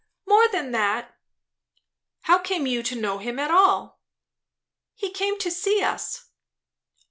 "More than that." "How came you to know him at all?" "He came to see us?"